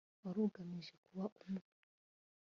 wari ugamije kuba umwe